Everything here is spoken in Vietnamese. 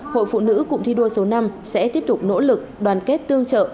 hội phụ nữ cụng thi đua số năm sẽ tiếp tục nỗ lực đoàn kết tương trợ